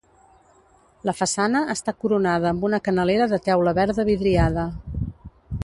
La façana està coronada amb una canalera de teula verda vidriada.